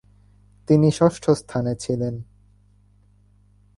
তিনি ষষ্ঠ স্থানে ছিলেন।